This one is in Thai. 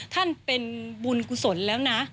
ท่านเป็นบุญกุศลแล้วนะ